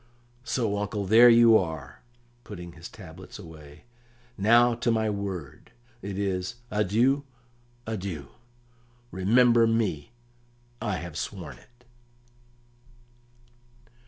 So, uncle, there you are," putting his tablets away. "Now to my word. It is 'Adieu, adieu! Remember me!' I have sworn it!"